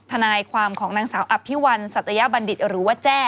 ทนายความของนางสาวอภิวัลสัตยบัณฑิตหรือว่าแจ้